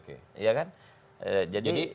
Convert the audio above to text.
iya kan jadi